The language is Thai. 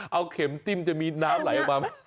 เอาเข็มจิ้มจะมีน้ำไหลออกมา